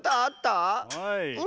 はい。